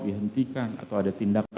dihentikan atau ada tindakan